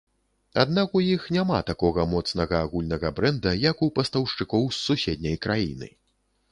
Аднак у іх няма такога моцнага агульнага брэнда, як у пастаўшчыкоў з суседняй краіны.